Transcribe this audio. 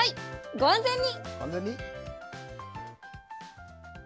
ご安全に。